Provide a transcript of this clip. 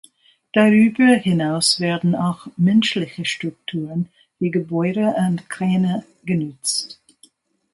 Darüber hinaus werden auch menschliche Strukturen wie Gebäude und Kräne genutzt.